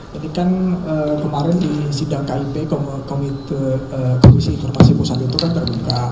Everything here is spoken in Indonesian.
jadi kan kemarin di sidang kip komisi informasi pusat itu kan terbuka